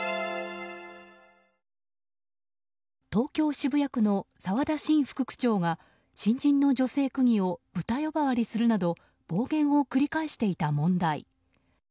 東京・渋谷区の沢田伸副区長が新人の女性区議をブタ呼ばわりするなど暴言を繰り返していた問題。